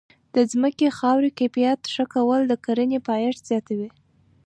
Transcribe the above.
د ځمکې د خاورې کیفیت ښه کول د کرنې پایښت زیاتوي.